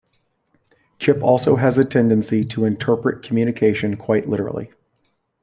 Chip also has a tendency to interpret communication quite literally.